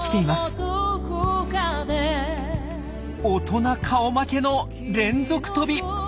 大人顔負けの連続跳び！